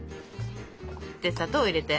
で砂糖を入れて。